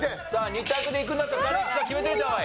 ２択でいくんだったら誰いくか決めておいた方がいい。